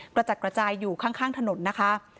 กระจัดกระจายอยู่ข้างถนนนะคะ